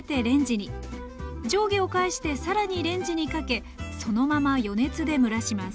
上下を返してさらにレンジにかけそのまま余熱で蒸らします